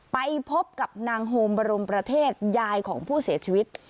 ไปพบกับนางโฮมบรมประเทศยายของผู้เสียชีวิต